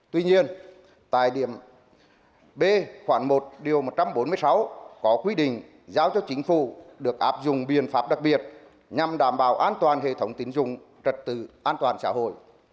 tuy nhiên tại điểm b khoảng một điều một trăm bốn mươi sáu có quy định giao cho chính phủ được áp dụng biện pháp đặc biệt nhằm đảm bảo an toàn hệ thống tín dụng trật tự an toàn xã hội